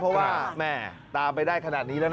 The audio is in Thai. เพราะว่าแม่ตามไปได้ขนาดนี้แล้วนะ